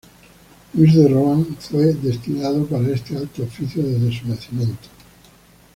Louis de Rohan fue destinado para este alto oficio desde su nacimiento.